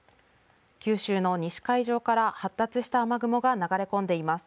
九州の西の海上から発達した雨雲が流れ込んでいます。